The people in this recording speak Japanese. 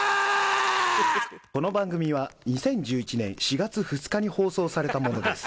「この番組は２０１１年４月２日に放送されたものです」